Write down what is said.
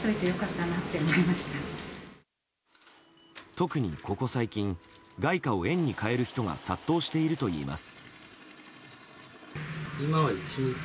特に、ここ最近外貨を円に替える人が殺到しているといいます。